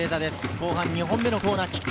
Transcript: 後半２本目のコーナーキック。